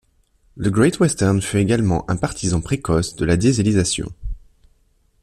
Le Great Western fut également un partisan précoce de la dieselisation.